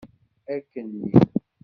Akkenni!